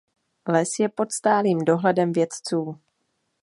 Les je pod stálým dohledem vědců.